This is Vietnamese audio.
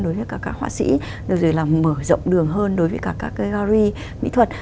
đối với cả các họa sĩ đối với là mở rộng đường hơn đối với cả các gallery mỹ thuật